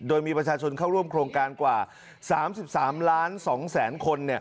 โดยมีประชาชนเข้าร่วมโครงการกว่า๓๓ล้าน๒แสนคน